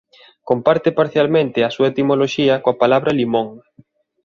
Comparte parcialmente a súa etimoloxía coa palabra «limón».